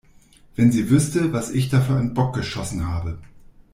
Wenn sie wüsste, was ich da für einen Bock geschossen habe!